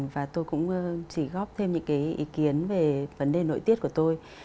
và tôi cũng chỉ góp thêm những cái ý kiến về vấn đề nội tiết của tôi